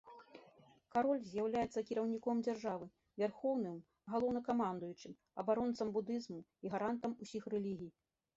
Кароль з'яўляецца кіраўніком дзяржавы, вярхоўным галоўнакамандуючым, абаронцам будызму і гарантам усіх рэлігій.